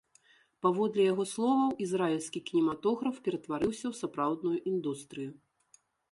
Паводле яго словаў, ізраільскі кінематограф ператварыўся ў сапраўдную індустрыю.